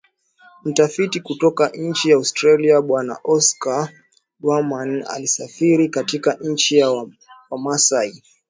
Mtafiti kutoka nchi ya Austria Bwana Oscar Baumann alisafiri katika nchi ya Wamasai